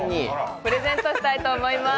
プレゼントしたいと思います。